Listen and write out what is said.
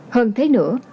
hơn thế nữa